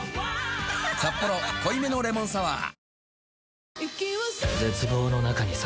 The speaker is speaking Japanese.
「サッポロ濃いめのレモンサワー」